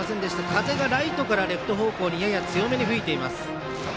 風がライトからレフト方向にやや強めに吹いています。